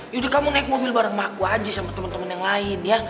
yaudah kamu naik mobil bareng aku aja sama teman teman yang lain ya